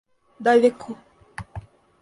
далеко